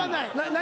何？